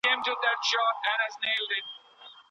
که هوټلونه نرخنامې ولري، نو مسافر نه غولیږي.